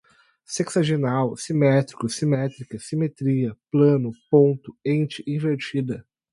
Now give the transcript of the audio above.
sexagesimal, simétrico, simétrica, simetria, plano, ponto, ente, invertida